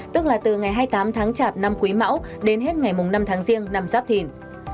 tức là từ ngày hai mươi tám tháng chạp năm quý mão đến hết ngày năm tháng riêng năm giáp thìn